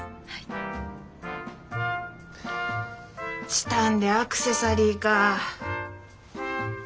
チタンでアクセサリーか。